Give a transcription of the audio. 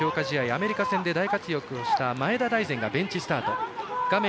アメリカ戦で大活躍した前田大然がベンチスタート。